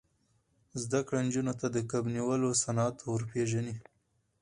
زده کړه نجونو ته د کب نیولو صنعت ور پېژني.